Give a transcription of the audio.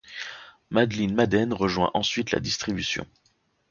Madeline Madden rejoint ensuite la distribution.